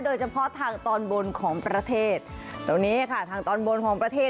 โดยเฉพาะทางตอนบนของประเทศตรงนี้ค่ะทางตอนบนของประเทศ